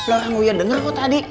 orang uya denger kok tadi